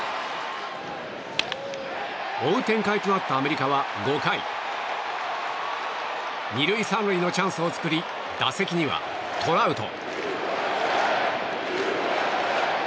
追う展開となったアメリカは５回２塁３塁のチャンスを作り打席にはトラウト。